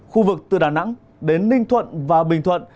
khu vực từ đà nẵng đến ninh thuận và bình thuận